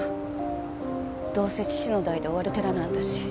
どうせ父の代で終わる寺なんだし。